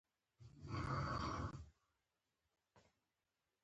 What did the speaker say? هغه باید د یوه شخص په توګه وي.